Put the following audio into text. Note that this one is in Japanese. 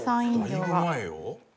◆だいぶ前よ。